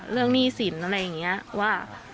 เรื่องหนี้สินอะไรอย่างเงี้ยว่า